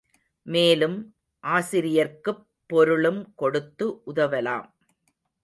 மேலும் ஆசிரியர்க்குப் பொருளும் கொடுத்து உதவலாம்.